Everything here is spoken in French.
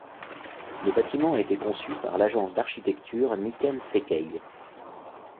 Le bâtiment a été conçu par l'agence d'architecture Nikken Sekkei.